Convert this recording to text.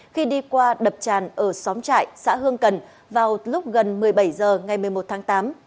khi đi qua đập tràn ở xóm trại xã hương cần vào lúc gần một mươi bảy h ngày một mươi một tháng tám